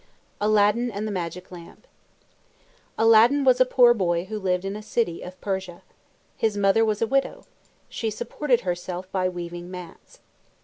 ALADDIN AND THE MAGIC LAMP Aladdin was a poor boy who lived in a city of Persia. His mother was a widow. She supported herself by weaving mats.